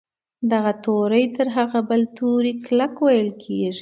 دغه توری تر هغه بل توري کلک ویل کیږي.